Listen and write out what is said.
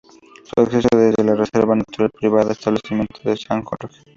Su acceso es desde la reserva natural privada Establecimiento San Jorge.